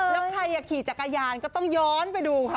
แล้วใครขี่จักรยานก็ต้องย้อนไปดูค่ะ